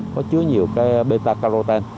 có chứa nhiều cái beta carotene